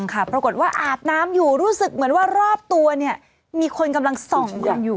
ปรากฏว่าอาบน้ำอยู่รู้สึกเหมือนว่ารอบตัวเนี่ยมีคนกำลังส่องกันอยู่